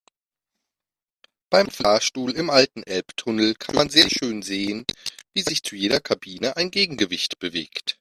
Beim Fahrstuhl im alten Elbtunnel kann man sehr schön sehen, wie sich zu jeder Kabine ein Gegengewicht bewegt.